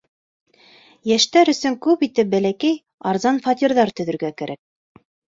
Йәштәр өсөн күп итеп бәләкәй, арзан фатирҙар төҙөргә кәрәк.